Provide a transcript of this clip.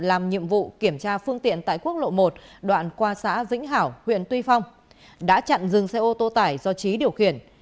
làm nhiệm vụ kiểm tra phương tiện tại quốc lộ một đoạn qua xã vĩnh hảo huyện tuy phong đã chặn dừng xe ô tô tải do trí điều khiển